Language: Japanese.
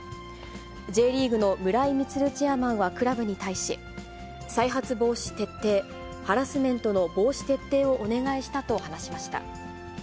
Ｊリーグの村井満チェアマンはクラブに対し、再発防止徹底、ハラスメントの防止徹底をお願いしたと話しました。